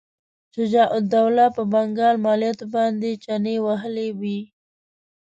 شجاع الدوله په بنګال مالیاتو باندې چنې وهلې وې.